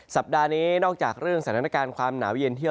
สัปดาห์นี้นอกจากเรื่องสถานการณ์ความหนาวเย็นเที่ยว